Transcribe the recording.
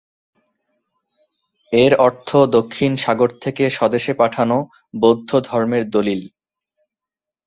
এর অর্থ ‘দক্ষিণ সাগর থেকে স্বদেশে পাঠানো বৌদ্ধ ধর্মের দলিল’।